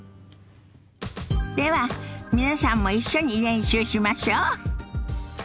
では皆さんも一緒に練習しましょ。